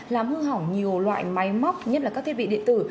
làm hư hỏng nhiều loại máy móc nhất là các thiết bị điện tử